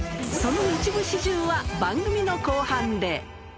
その一部始終は番組の後半で。